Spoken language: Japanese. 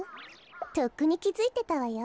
とっくにきづいてたわよ。